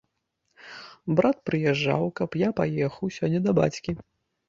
Брат прыязджаў, каб я паехаў сёння да бацькі.